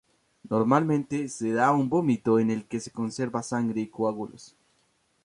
Normalmente se da un vómito en el que se observan sangre y coágulos.